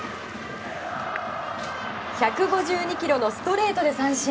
１５２キロのストレートで三振。